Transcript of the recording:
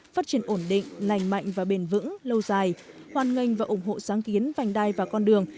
phát triển ổn định lành mạnh và bền vững lâu dài hoàn ngành và ủng hộ sáng kiến vành đai và con đường